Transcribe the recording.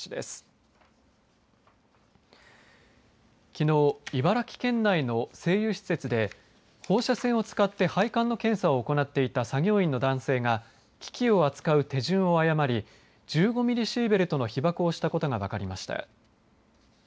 きのう、茨城県内の製油施設で放射線を使って配管の検査を行っていた作業員の男性が機器を扱う手順を誤り１５ミリシーベルトの被ばくをしたことが分かりました。